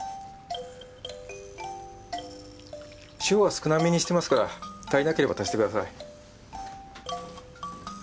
塩は少なめにしてますから足りなければ足してください。